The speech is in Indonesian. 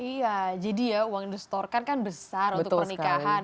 iya jadi ya uang yang disetorkan kan besar untuk pernikahan